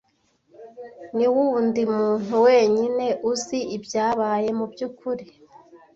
Niwundi muntu wenyine uzi ibyabaye mubyukuri.